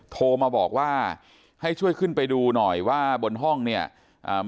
โทรมาบอกให้ช่วยขึ้นไปดูหน่อยว่าบนห้องมีอะไรหรือเปล่า